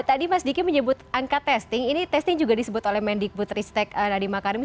tadi mas diki menyebut angka testing ini testing juga disebut oleh mendik butristek radhimakarimi